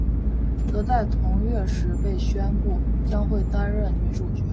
则在同月时被宣布将会担任女主角。